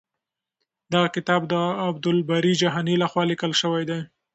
دغه کتاب د عبدالباري جهاني لخوا لیکل شوی دی.